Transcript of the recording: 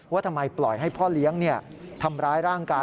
ว่าทำไมปล่อยให้พ่อเลี้ยงทำร้ายร่างกาย